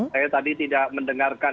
saya tadi tidak mendengarkan